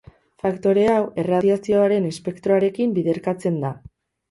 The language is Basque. Faktore hau erradiazioaren espektroarekin biderkatzen da.